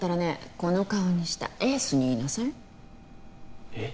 この顔にしたエースに言いなさいえっ？